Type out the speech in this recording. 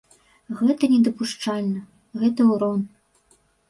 Гэта недапушчальна, гэта ўрон.